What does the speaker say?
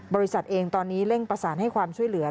บริษัทเองตอนนี้เร่งประสานให้ความช่วยเหลือ